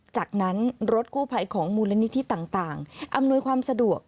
จากนั้นรถกู้ภัยของมูลนิธิต่างอำนวยความสะดวก